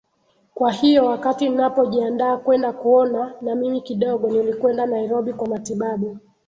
kwa hiyo wakati ninapojiandaa kwenda kuona na mimi kidogo nilikwenda nairobi kwa matibabu